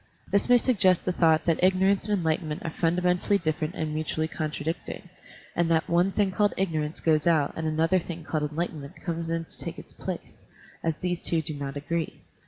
This may sug gest the thought that ignorance and enlighten ment are fundamentally different and mutually contradicting, and that one thing called ignor ance goes out and another thing called enlighten ment comes in to take its place, as these two do not agree.